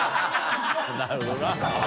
なるほどな。